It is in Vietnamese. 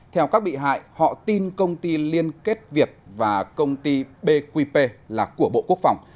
theo các bị hại họ tin công ty liên kết việt và công ty bqp là của bộ quốc phòng